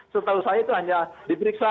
setelah usaha itu hanya diperiksa